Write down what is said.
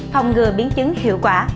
phòng ngừa biến chứng hiệu quả